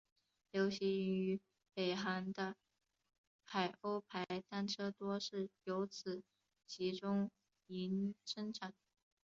流行于北韩的海鸥牌单车多是由此集中营生产。